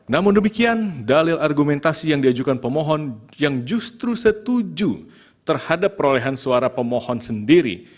namun demikian dalil argumentasi yang diajukan pemohon yang justru setuju terhadap perolehan suara pemohon sendiri